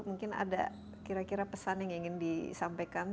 mungkin ada kira kira pesan yang ingin disampaikan